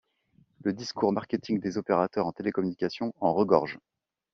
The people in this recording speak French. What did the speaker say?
Le discours marketing des opérateurs en télécommunications en regorge.